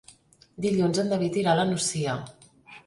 Dilluns en David irà a la Nucia.